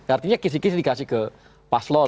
artinya kisi kisi dikasih ke paslon